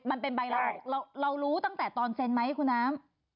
มันเป็นใบลาออกเรารู้ตั้งแต่ตอนเซ็นไหมคุณน้ำ